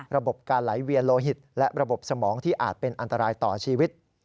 ระบบการไหลเวียนโลหิตและระบบสมองที่อาจเป็นอันตรายต่อชีวิต